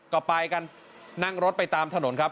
ก็ไปกันนั่งรถไปตามถนนครับ